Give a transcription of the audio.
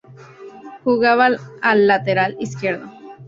Jugaba de lateral izquierdo.